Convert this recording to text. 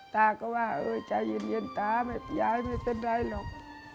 ตาก็ว่าเออใจเย็นตายายไม่เป็นไรหรอก